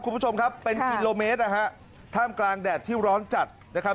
คุณผู้ชมครับเป็นกิโลเมตรนะฮะท่ามกลางแดดที่ร้อนจัดนะครับ